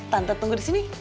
tante tunggu di sini